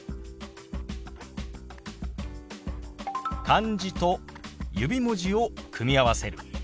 漢字と指文字を組み合わせる。